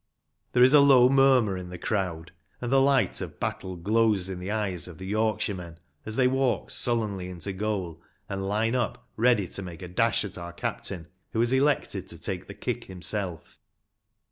There is a low murmur in the crowd, and A MODERN GAME OF RUGBY FOOTBALL. 211 the light of battle glows in the eyes of the Yorkshiremen as they walk sullenly into goal, and line up ready to make a dash at our captain, who has elected to take the kick himself.